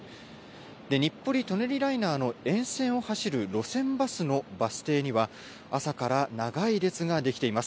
日暮里・舎人ライナーの沿線を走る路線バスのバス停には、朝から長い列が出来ています。